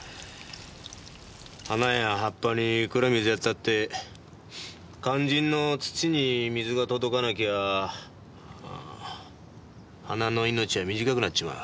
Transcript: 花や葉っぱにいくら水やったって肝心の土に水が届かなきゃ花の命は短くなっちまう。